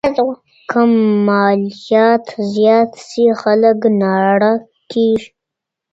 که مالیات زیات سي خلګ ناړه کیږي.